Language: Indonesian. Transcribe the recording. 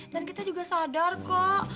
dan kita juga sadar kok